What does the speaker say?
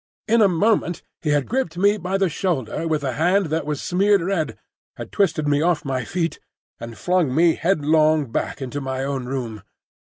In a moment he had gripped me by the shoulder with a hand that was smeared red, had twisted me off my feet, and flung me headlong back into my own room.